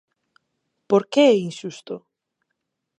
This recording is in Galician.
¿Por que é inxusto?